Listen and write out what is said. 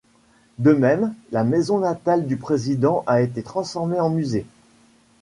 De même, la maison natale du président a été transformée en musée.